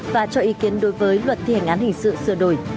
và cho ý kiến đối với luật thi hành án hình sự sửa đổi